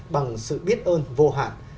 bằng sự biết ơn vô hạn